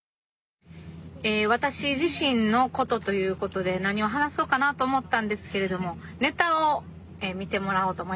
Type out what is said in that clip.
え私自身のことということで何を話そうかなと思ったんですけれどもネタを見てもらおうと思います。